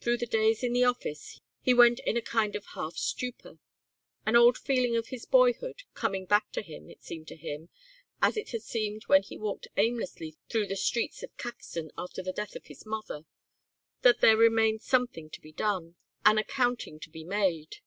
Through the days in the office he went in a kind of half stupor. An old feeling of his boyhood coming back to him, it seemed to him, as it had seemed when he walked aimlessly through the streets of Caxton after the death of his mother, that there remained something to be done, an accounting to be made.